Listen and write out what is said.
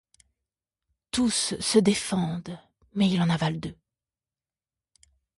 Tous se défendent, mais il en avale deux.